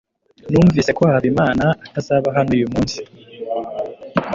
numvise ko habimana atazaba hano uyu munsi